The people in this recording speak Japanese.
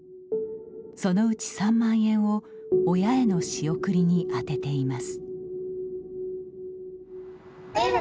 そのうち３万円を親への仕送りに充てています。